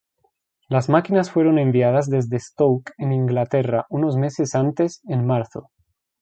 Las máquinas fueron enviadas desde Stoke en Inglaterra unos meses antes, en marzo.